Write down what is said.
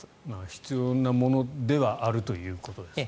必要なものではあるということですね。